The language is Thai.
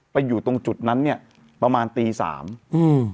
อยู่ตรงจุดนั้นเนี้ยประมาณตีสามอืม